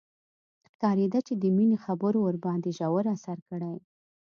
ښکارېده چې د مينې خبرو ورباندې ژور اثر کړی.